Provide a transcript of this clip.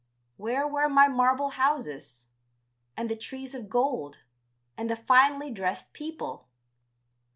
Where were my marble houses? And the trees of gold, and the finely dressed people.